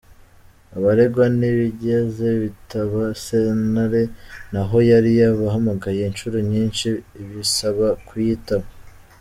Abaregwa ntibigeze bitaba sentare naho yari yabahamagaje inshuro nyinshi ibasaba kuyitaba.